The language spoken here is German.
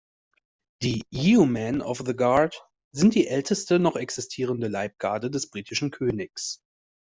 Die "Yeomen of the Guard" sind die älteste noch existierende Leibgarde des britischen Königs.